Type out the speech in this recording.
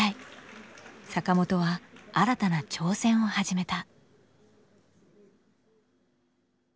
坂本は新たな挑戦を始めた。